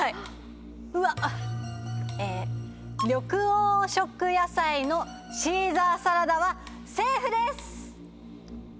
緑黄色野菜のシーザーサラダはセーフです！